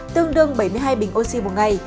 tương đương bảy mươi hai bình oxy một ngày